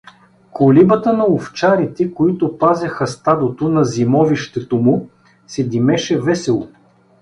Колибата на овчарите, които пазеха стадото на зимовището му, се димеше весело.